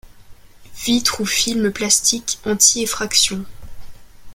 Vitre ou film plastique anti-effraction.